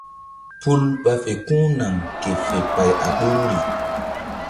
Pul ɓa fe ku̧h naŋ ke fe pay a ɓoruri.